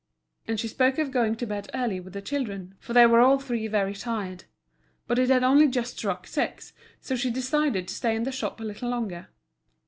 And she spoke of going to bed early with the children, for they were all three very tired. But it had only just struck six, so she decided to stay in the shop a little longer.